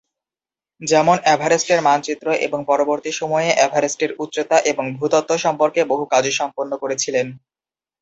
যেমন এভারেস্টের মানচিত্র এবং পরবর্তী সময়ে এভারেস্টের উচ্চতা এবং ভূতত্ত্ব সম্পর্কে বহু কাজ সম্পন্ন করে ছিলেন।